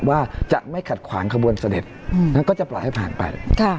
ว่าจะไม่ขัดขวางขบวนเสด็จแล้วก็จะปล่อยให้ผ่านไป